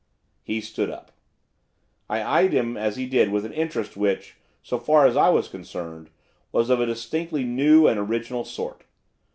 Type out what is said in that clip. He stood up. I eyed him as he did with an interest which, so far as I was concerned, was of a distinctly new and original sort.